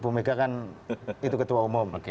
bumega kan itu ketua umum